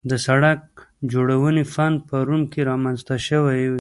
د سړک جوړونې فن په روم کې رامنځته شوی دی